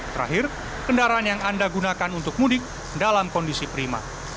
terakhir kendaraan yang anda gunakan untuk mudik dalam kondisi prima